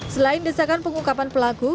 selain desakan pengungkapan pelaku